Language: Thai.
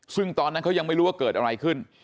ซึ่งตอนนั้นเขายังไม่รู้ว่าเกิดอะไรขึ้น